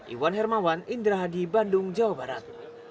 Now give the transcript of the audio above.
iwan hermawan indra hadi bandung jawa barat